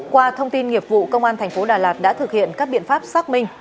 qua thông tin nghiệp vụ công an thành phố đà lạt đã thực hiện các biện pháp xác minh